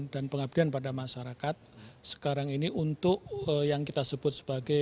dan pengabdian pada masyarakat sekarang ini untuk yang kita sebut sebagai agro maritim empat